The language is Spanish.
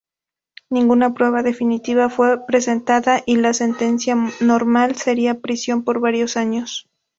Ninguna prueba definitiva fue presentada y la sentencia normal sería prisión por varios años.